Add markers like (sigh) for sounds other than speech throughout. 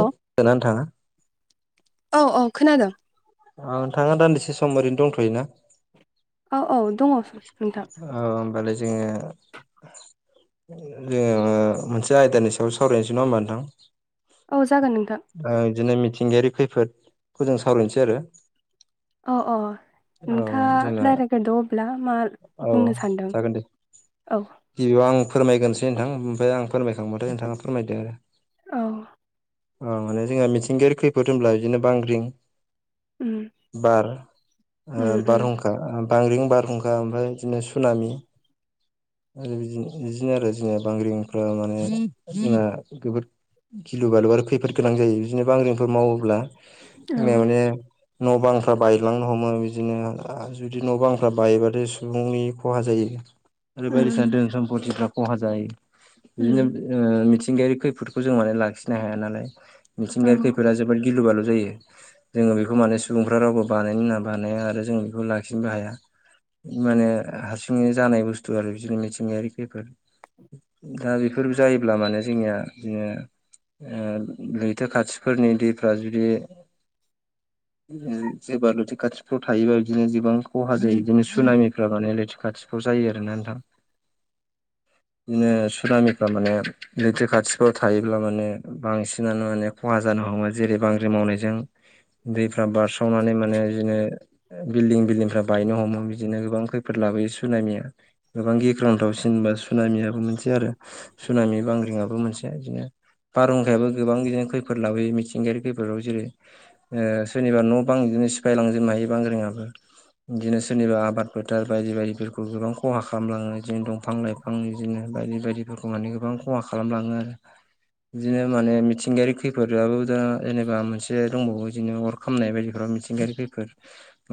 औ सोनानै थाङा औ - औ खोनादों। ओ नोंथाङा दान्दिसे सम ओरैनो दंथ'योना। औ - औ दङ नोंथां। औ होमबालाय जोङो जोङो मोनसे आयदानि सायाव सावरायनोसै नङा होमबा नोंथां। औ जागोन नोंथां। आ बिदिनो मिथिंगायारि खैफोदखौ जों सावरायनोसै आरो। अ' अ' औ नोंथाङा जोंना रायज्लायग्रोदो अब्ला मा औ बुंनो सानदों। जागोन दे औ। गिबियाव आं फोरमायगोरसै नोंथां ओमफ्राय आं फोरमायखांबाथाय नोंथाङा फोरमायदों आरो। औ। अ' माने जोंहा मिथिंगायारि खैफोद होनब्ला बिदिनो बांग्रिं। उम बार, ओ उम उम बारहुंखा खा बांग्रिं बारहुंखा ओमफ्राय बिदिनो सुनामि आरो बिदि बिदिनो आरो जोंनि बांग्रिंफ्रा माने जोंना जोबोर गिलु बालु आरो खैफोद गोनां जायो बिदिनो बांग्रिंफोर मावोब्ला औ जोंनिया माने न', बांफ्रा बायलांनो हमो बिदिनो जुदि न' बांफ्रा बायोबाथाय' सुबुंनि खहा जायो। बे उम बायदिसिना दोन सम्पतिफ्रा खहा जायो उम बिदिनो जोङो मिथिंगायारि खैफोदखौ जों माने लाखिनो हाया नालाय औ मिथिंगायारि खैफोदा जोब बोद गिलु बालु जायो। जोङो बेखौ माने सुबुंफ्रा रावबो बानायनो होनना बानाया आरो जों बेखौ लाखिनोबो हाया। माने हारसिङैनो जानाय बुस्थु आरो बिदिनो मिथिंगायारि बेफोर। दा बेफोर जायोब्ला माने जोंनिया बिदिनो लैथो खाथिफोरनि दैफ्रा जुदि ओ जेब्ला लोथो खाथिफ्राव थायोबा बिदिनो गोबां खहा जायो बिदिनो सुनामिफ्रा माने लैथि खाथिफ्राव जायो ना नोंथां बिदिनो सुनामिफ्रा माने लैथो खाथिफ्राव थायोब्ला माने बांसिनानो माने खहा जानो हमो जेरै बांग्रि मावनायजों (inaudible) दैफ्रा बारस्रावनानै माने बिदिनो बिल्डिं बिल्डिंफ्रा बायनो हमो बिदिनो गोबां खैफद खैफोद लाबोयो सुनामिया गोबां गिख्रंथावसिनबा सुनामियाबो मोनसे आरो। सुनामि बांग्रिंआबो मोनसे बिदिनो। बारहुंखायाबो गोबां बिदिनो खैफद लाबोयो मिथिंगायारि खैफोदाव जेरै ओ सोरनिबा न' बां बिदिनो सिफायलांजोबनो हायो बांग्रिङाबो। दिनो सोरनिबा आबाद फोथार बायदि बायदिफोरखौ गोबां खहा खालामलाङो जे दंफां लाइफां बिदिनो बायदि बायदिफोरखौ माने गोबां खहा खालामलाङो आरो। बिदिनो माने मिथिंगायारि खैफोदाबो दा जेनेबा मोनसे दंबावो बिदिनो अर खामनाय बायदिफोरा मिथिंगायारि खैफोद।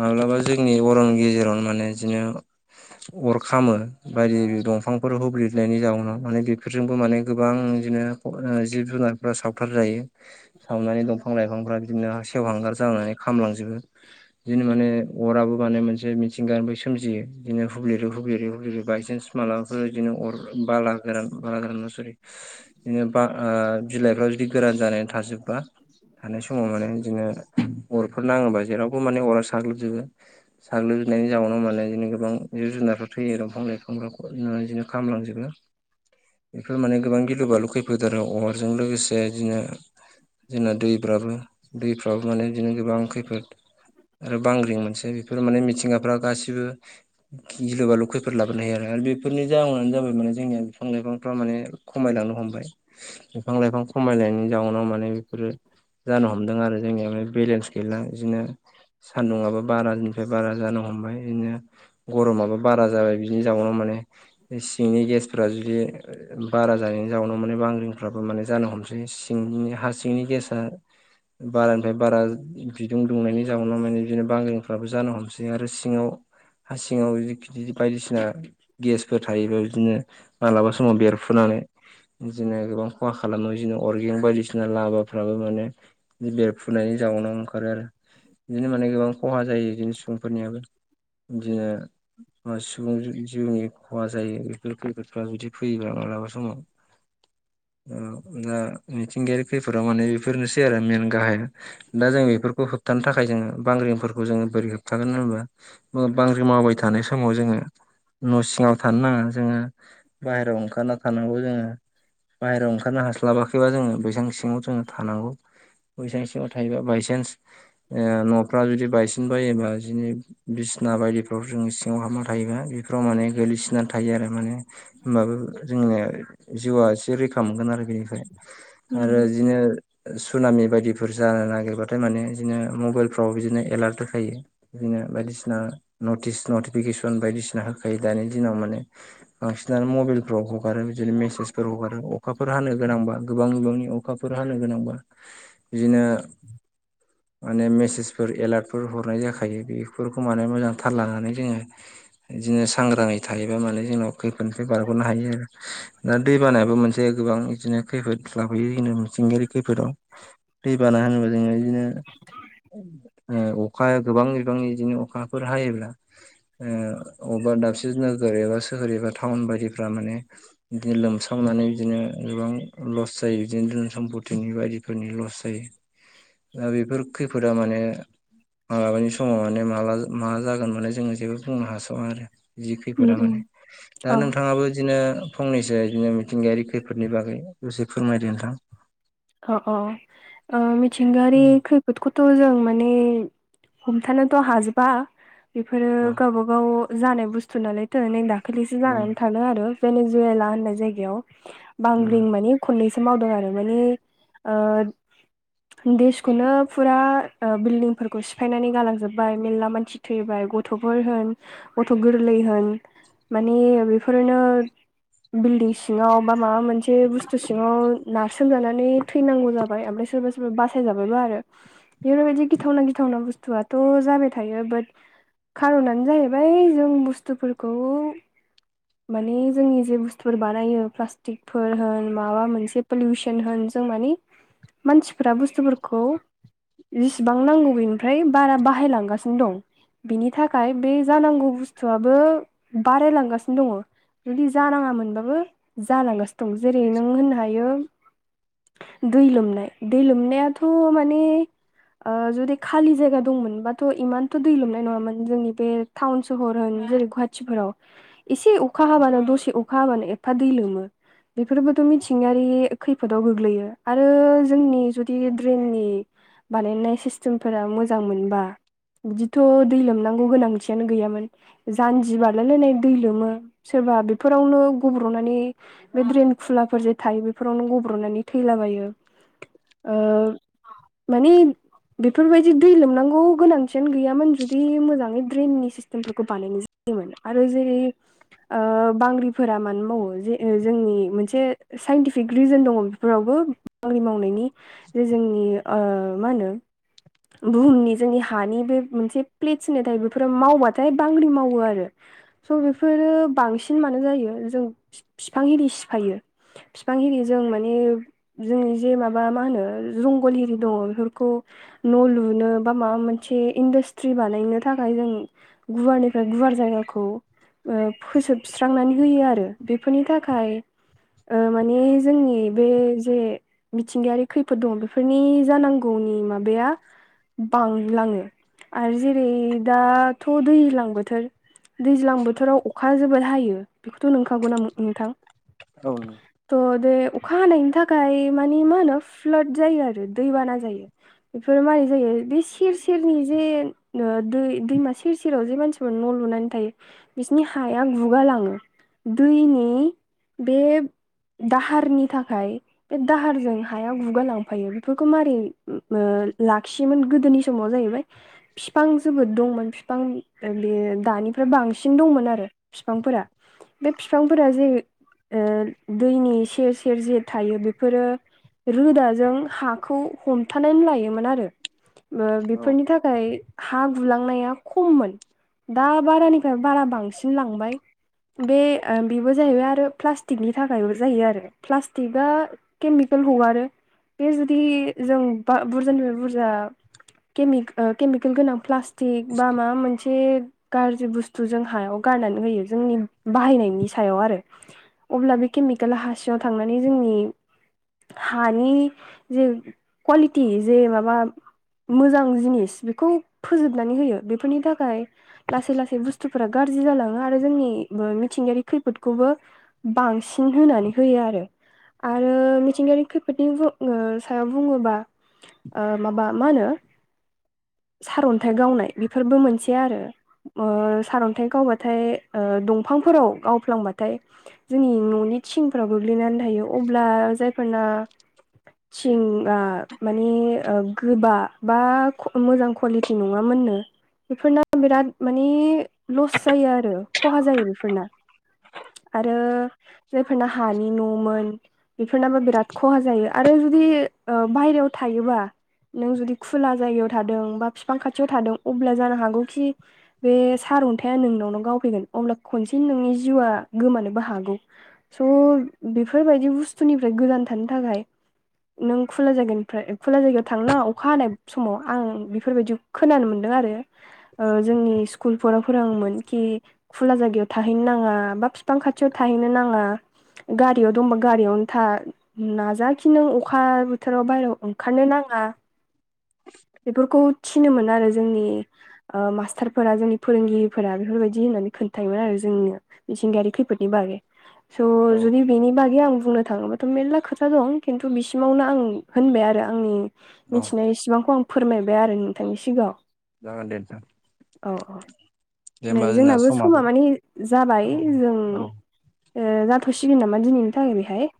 माब्लाबा जोंनि अरननि गेजेरावनो माने इदिनो अर खामो। बायदि इरि दंफांफोर हुब्लिदनायनि जाउनाव माने बेफोरजोंबो माने गोबां इदिनो ओ जिब जुनारफोरा सावथार जायो। सावनानै दंफां लाइफांफ्रा बिदिनो सेवहांगार जानानै खामलांजोबो। आइदिनो माने अराबो माने मोनसे मिथिंगानिफ्राय सोमजियो इदिनो हुब्लेरै हुब्लेरै हुब्लेरै बायसान्स मालाबाफोर इदिनो अर बाला गोरान बाला गोरान नङा सरि। इदिनो बा ओ बिलाइफोरा जुदि गोरान जानानै थाजोबबा थानाय समाव माने इदिनो अरफोर नाङोबा जेरावबो माने अरा साग्लोबजोबो। साग्लोबजोबनायनि जाउनाव माने इदिनो जदिनो गोबां जिब जुनारफ्रा थैयो दंफां लाइफांफ्रा खम इदिनो खामलांजोबो। फोर माने गोबां गिलु बालु खैफोदार आरो अरजों लोगोसे इदिनो जोंना दैफ्राबो दैफ्राबो माने इदिनो गोबां खैफोद ओ बांग्रिं मोनसे बेफोर माने मिथिंगाफ्रा गासिबो गिलु बालु खैफोद लाबोनो हायो आरो बेफोरनि जाउनानो जाबाय माने जोंनिया बिफां लाइफांफ्रा माने खमायलांनो हमबाय बिफां लाइफां खमायनायनि जाउनाव माने बिफोरो जानो हमदों आरो जोंनिया बेलेन्स गैला बिदिनो। सान्दुंङाबो बारानिफ्राय बारा जानो हमबाय इदिनो गरमाबो बारा जाबाय बिनि जाउनाव माने सिंनि गेसफोरा जुदि बारा जानायनि जाउनाव माने बांग्रिंफ्राबो माने जानो हमसै सिंनि हा सिंनि गेसा बारानिफ्राय बारा बिदुं दुंनायनि जाउनाव माने बिदिनो बांग्रिंफ्राबो जानो हमसै आरो सिङाव सिङाव जुदि खिथि बायदिसिना गेसफोर थायोब्लाा बिदिनो मालाबा समाव बेरफ्रुनानै बिदिनो गोबां खहा खालामो बिदिनो अर्गें बायदिसिना लाबाफ्राबो माने बि बेरफुनायनि जाउनाव ओंखारो आरो बिदिनो माने गोबां खहा जायो बिदिनो सुबुंफोरनियाबो। दिनो बा सुबुं जि-जिउनि खहा जायो बेफोर खैफोदफ्रा जुदि फैयोबा मालाबा समाव। (inaudible) औ दा मिथिंगायारि खैफोदाव माने बेफोरनोसै आरो मेन गाहाया। दा जों बेफोरखौ होबथानो थाखाय जोङो बांग्रिंफोरखौ जोङो बोरै होबथागोन होनोबा? अ बांग्रिं मावबाय थानाय समाव जोङो न' सिङाव थानो नाङा जोङो बाहेरायाव ओंखारना थानांगौ जोङो। बाहेरायाव ओंखारनो हास्लाबाखैबा जोङो बैसां सिङाव जोङो थानांगौ‌ बैसां सिङाव थायोबा बायसान्स ओ न'फ्रा जुदि बायसिन बायोबा बिनि बिसना बायदि फ्राव जों सिङाव हाबना थायोबा बेफोराव माने गोलैसिननानै थायो आरो माने होमबाबो जोंना जिउआ एसे रैखा मोनगोन आरो बेनिफ्राय उम आरो इदिनो ओ सुनामि बायदिफोर जानो नागिरबाथाय माने बिदिनो मबाइलफ्राव बिदिनो एलार्ट होखायो। बिदिनो बायदिसिना नटिस नटिफिकेसन बायदिसिना होखायो दानि दिनाव माने बांसिनानो मबाइलफोराव हगारो बिदिनो मेसेजफोर हगारो अखाफोर हानो गोनांबा गोबां बिबांनि अ खाफोर हानो गोनांबा बिदिनो माने मेसेसफोर एलार्ट फोर हरनाय जाखायो बेफोरखौ माने मोजां थार लानानै जोङो बिदिनो सांग्राङै थायोबा माने जोंनाव खैफोदनिफ्राय बारग'नो हायो आरो। दा दै बानायाबो मोनसे गोबां बिदिनो खैफोद लाबोयो जोंनो मिथिंगायारि खैफोदाव। दैबाना होनोबा जोङो बिदिनो ओ अखाया गोबां बिबांनि बिदिनो अखाफोर हायोब्ला ओ अबेबा दाबसे नोगोर एबा सोहोर एबा टाउन बायदिफ्रा माने बिदिनो लोमस्रावनानै बिदिनो गोबां लस जायो बिदिनो धोन सम्पतिनि बायदि फोरनि लस जायो। दा बेफोर खैफोदा माने मालाबानि समाव माने माला मा जागोन माने जोंनो जेबो बुंनो हासया आरो जि उम खैफोदा उम माने दा औ नोंथाङाबो बिदिनो फंनैसो बिदिनो मिथिंगायारि खैफोदनि बागै दसे फोरमायदो नोंथां। अ अ ओ मिथिंगारि औ खै खौथ' जों माने हमथानोथ' हाजोबा बेफोरो औ गावबा गाव जानाय बुस्थु नालायथो नै दाखालिसो जानानै थांदों आरो। नेजुवेला होननाय जायगायाव बांग्रिं माने खननैसो मावदों आरो माने ओ देसखौनो फुरा ओ बिल्दिंफोरखौ सिफायनानै गालांजोब्बाय मेरला मानसि थैबाय गथ'फोर होन गथ' गोरलै होन माने बेफोरनो बिल्डिं सिङाव बा माबा मोनसे बुस्थु सिङाव नारसोमजाना नै थैनांगौ जाबाय ओमफ्राय सोरबा सोरबा बासायजाबायबो आरो। बिदिनो बिदि गिथावना गिथावना बुस्थुआथ' जाबाय थायो बाट खार'नानो जाहैबाय जों बुस्थुफोरखौ माने जोंनि जे बुस्थुफोर बानायो प्लास्टिकफोर होन माबा मोनसे पलिउसन होन जों मानि मानसिफ्रा बुस्थुफोरखौ जेसिबां नांगौ बेनिफ्राय बारा बाहायलांगासिनो दं। बिनि थाखाय बे जानांगौ बुस्थुआबो बारायलांगासिनो दङ। जुदि जानाङामोनबाबो जालांगासिनो दं जेरै नों होननो हायो दै लोमनाय दै लोमनायाथ' माने ओ जुदि खालि जायगा दंमोनबाथ' इमानथ' दै लोमनाय नङामोन जोंनि बे टाउन सहर होन जेरै गुवाहाटिफोराव। एसे अखा हाबानो दसे अखा हाबानो एफा दै लोमो बेफोरबोथ' मिथिंगायारि खै खैफोदाव गोग्लैयो आरो जोंनि जुदि ड्रेननि बानायनाय सिस्टेमफोरा मोजां मोनबा बिदिथ' दै लोमनांगौ गोनांथियानो गैयामोन। जान्जि बारलायलायनाय दै लोमो सोरबा बेफोरावनो गब्र'नानै बे ड्रेन खुलाफोर जे थायो बेफोराव नों गब्र'नानै थैलाबायो ओ माने बेफोरबायदि दै लोमनांगौ गोनांथियानो गैयामोन जुदि मोजाङै ड्रेननि सिस्टेमफोरखौ बानायनाय आरो जेरै ओ बांग्रिफोरा मानो मावो जे जोंनि मोनसे साइनटिफिक रिजोन दङ बे फोरावबो बाग्रिं मावनायनि जे जोंनि मा होनो बुहुमनि जोंनि हानि बे मोनसे प्लेथिना थायो बेफोरो मावबाथाय बांग्रि मावो आरो। स' बिफोरो बांसिन मानो जायो जों बिफां एरि सिफायो। बिफांहिरि जों मा जोंजे माबा मा होनो जंगल एरि दङ बेफोरखौ न' लुनो बा माबा मोनसे इन्डास्ट्रि बानायनो थाखाय जों गुवारनिफ्राय गुवार जायगाखौ ओ फोसोबस्रांनानै होयो आरो बेफोरनि थाखाय ओ माने जोंनि बे जे मिथिंगायारि खैफोद दङ बेफोरनि जानांगौनि माबाया बांलाङो। आरो जेरै दाथ' दैज्लां बोथोर दैज्लां बोथोराव अखा जोबोद हायो। बेखौथ' नोंखागौ ना नोंथां? औ नो थ' बेे अखा हानायनि थाखाय मानि मा होनो फ्लाद जायो आरो दैबाना जायो। बेफोरो मारैय जायो बे सेर-सेरनि जे दै दैमा सेर-सेराव जे मानसि न' लुनानै थायो बिसोरनि हाया गुगालाङो। दैनि बे दाहारनि थाखाय बे दाहारजों हाया गुगा लांफायो। बेफोरखौ मारै ओ लाखियोमोन गोदोनि समाबो जाहैबाय फिफां जोबोद दंमोन फिफां बे दानिफ्राय बांसिन दंमोन आरो। फिफांफोरा बे फिफांफोरा जे ओ दैनि सेर सेर जे थायो बेफोरो रोदाजों हाखौ हमथानानै लायोमोन आरो। बेफोरनि थाखाय हा गुलांनाया खममोन दा बारानिफ्राय बारा बांसिन लांबाय। बे बेबो जाहैबाय आरो प्लास्टिकनि थाखायबो जायो आरो। प्लास्टिकआ केमिकेल हगारो बे जुदि जों बा बुरजानिफ्राय बुरजा किमिक ओ केमिकेल गोनां प्लास्टिक बा माबा मोनसे गाज्रि बुस्थु जों हायाव गारनानै होयो जोंनि बाहायनायनि सायाव आरो। अब्ला बे केमिकेेल हासिङाव थांनानै जोंनि हानि जे कवालिटि जे माबा मोजां जिनिस बेखौ फोजोबनानै होयो बेफोरनि थाखाय लासै-लासै बुस्थुफोरा गाज्रि जालाङो आरो जोंनि बे मिथिंगायारि खैफोदखौबो बांसिन होनानै होयो आरो। आरो मिथिंगायारि खैफोदनि बु ङो सायाव बुङोबा ओ माबा मा होनो, सारन्थाइ गावनाय बेफोरबो मोनसे आरो। ओ सारन्थाइ गावबाथाय ओ दंफांफोराव गावफ्लांबाथाय जोंनि न'नि थिंफोराव गोग्लैनानै थायो। अब्ला जायफोरना थिंआ माने गोबा बा मोजां कुवालिटि नङामोननो बेफोरना बिराद माने लस जायो आरो खहा जायो बेफोरना। आरो जाय फोरनो हानि न'मोन बेफोरनाबो बिराद खहा जायो। आरो जुदि बायेरायाव थायोबा नों जुदि खुला जायगायाव थादों, बा बिफां खाथियाव थादों अब्ला जानो हागौखि बे सारअन्थाइया नोंनावनाव गावफैगोन अब्ला खनसे नोंनि जिउआ गोमानोबो हागौ। स' बेफोरबायदि बुस्थुनिफ्राय गोदजान थानो थाखाय नों खुला जागोनिफ्राय खुला जायगायाव थांनाङा अखा हानाय समाव आं बेफोरबायदि खोनानो मोनदों आरो। ओ जोंनि सुक स्कुलफोराव फोरोङोमोन खि खुला जायगायाव थाहैनो नाङा बा बिफां खाथियाव थाहैनो नाङा। गारियाव दंबा गारियावनो था। नाजाखि नों अखा बोथोराव बाहेरायाव ओंखारनो नाङा‌ बेफोरखौ थिनो मोन आरो जोंनि ओ मास्टारफोरा जोंनि फोरोंगिरिफोरा बेफोरबायदि होननानै खोन्थायोमोन आरो जोंनो। मिथिंगायारि खैफोदनि बागै स' औ जुदि बेनि बागै आं बुंनो थाङोब्ला थ' मेरला खोथा दं खिन्थु बिसिमावनो आं होनबाय आरो आंनि औ मिथिनायसेबांखौ आं फोरमायबाय आरो नोंथांनि सिगाङाव‌। जागोन दे नोंथां दे नै होमबा जोंना जोंनाबो समाबो समा माने जाबाय औ जों औ ओ जाथ'सिगोन नामा दिनैनि थाखाय बेहाय?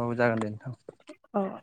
औ जागोन दे नोंथां औ